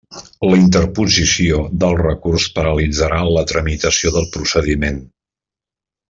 La interposició del recurs paralitzarà la tramitació del procediment.